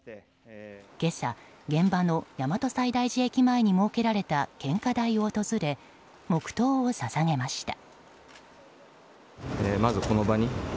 今朝、現場の大和西大寺駅前に設けられた献花台を訪れ、黙祷を捧げました。